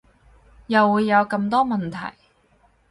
又會有咁多問題